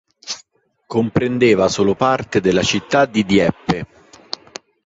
Comprendeva solo parte della città di Dieppe.